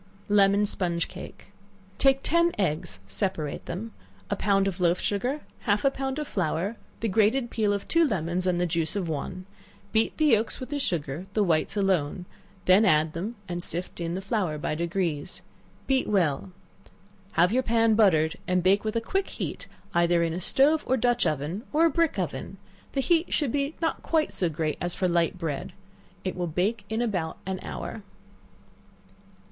Lemon Sponge Cake. Take ten eggs, separate them, a pound of loaf sugar, half a pound of flour, the grated peel of two lemons and the juice of one; beat the yelks with the sugar, the whites alone, when add them and sift in the flour by degrees; beat well, have your pan buttered, and bake with a quick heat either in a stove or dutch oven, or a brick oven, the heat should not be quite so great as for light bread it will bake in about an hour.